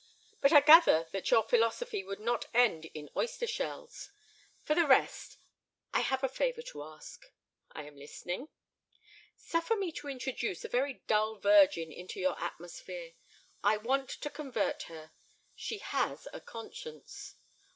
But I gather that your philosophy would not end in oyster shells. For the rest—I have a favor to ask." "I am listening." "Suffer me to introduce a very dull virgin into your atmosphere. I want to convert her. She has a conscience."